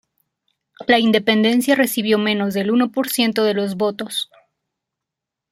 La independencia recibió menos del uno por ciento de los votos.